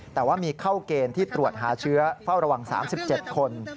แต่ว่ามีเข้าเกณฑ์ที่ตรวจหาเชื้อเฝ้าระวัง๓๗คน